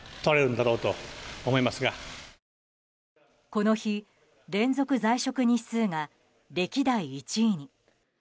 この日、連続在職日数が歴代１位に。